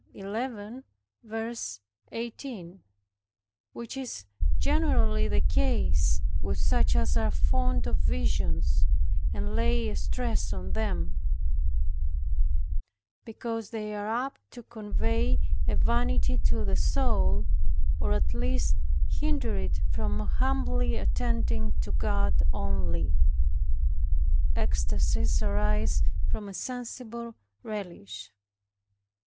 11:18; which is generally the case with such as are fond of visions, and lay a stress on them; because they are apt to convey a vanity to the soul, or at least hinder it from humbly attending to God only. Ecstacies arise from a sensible relish.